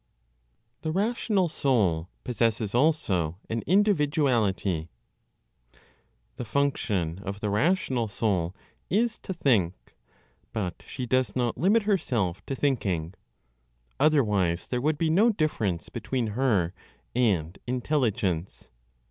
THE RATIONAL SOUL POSSESSES ALSO AN INDIVIDUALITY. The function of the rational soul is to think, but she does not limit herself to thinking. Otherwise there would be no difference between her and intelligence.